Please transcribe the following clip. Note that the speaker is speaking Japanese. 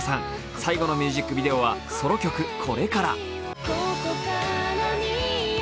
最後のミュージックビデオはソロ曲「これから」。